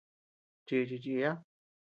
Chichi chiya.